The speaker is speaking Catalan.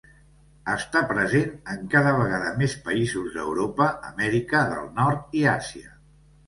Està present en cada vegada més països d'Europa, Amèrica del Nord i Àsia.